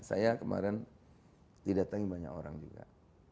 saya kemarin didatangi banyak orang juga